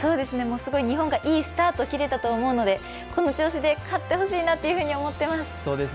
すごい日本がいいスタートを切れたと思うのでこの調子で勝ってほしいなと思っています。